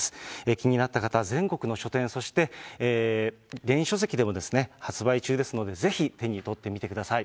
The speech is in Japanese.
気になった方、全国の書店、そして電子書籍でも発売中ですので、ぜひ手に取ってみてください。